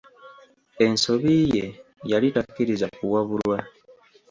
Ensobi ye yali takkiriza kuwabulwa.